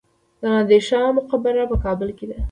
د نادر شاه مقبره په کابل کې ده